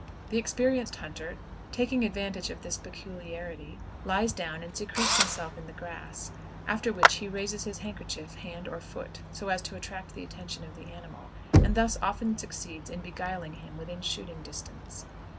The experienced hunter, taking advantage of this peculiarity, lies down and secretes himself in the grass, after which he raises his handkerchief, hand, or foot, so as to attract the attention of the animal, and thus often succeeds in beguiling him within shooting distance.